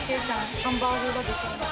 ハンバーグができた。